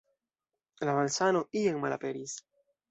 La malsano ien malaperis.